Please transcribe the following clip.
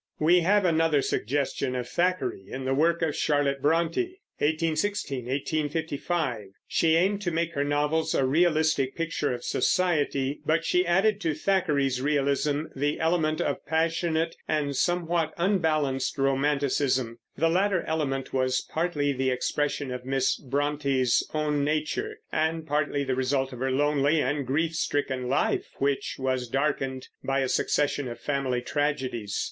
We have another suggestion of Thackeray in the work of Charlotte Brontë (1816 1855). She aimed to make her novels a realistic picture of society, but she added to Thackeray's realism the element of passionate and somewhat unbalanced romanticism. The latter element was partly the expression of Miss Brontë's own nature, and partly the result of her lonely and grief stricken life, which was darkened by a succession of family tragedies.